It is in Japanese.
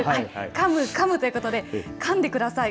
カムカムということで、かんでください。